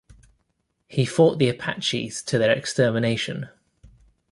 He fought the Apaches to their extermination.